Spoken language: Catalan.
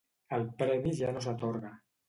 El premi ja no s'atorga.